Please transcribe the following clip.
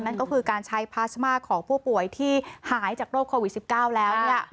นั่นก็คือการใช้พลาสมาของผู้ป่วยที่หายจากโรคโควิด๑๙แล้ว